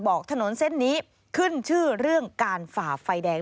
บอกถนนเส้นนี้ขึ้นชื่อเรื่องการฝ่าไฟแดง